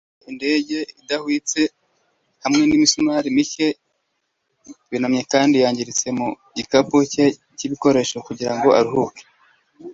inyundo, indege idahwitse hamwe n'imisumari mike yunamye kandi yangiritse mu gikapu cye cy'ibikoresho kugirango ahindukire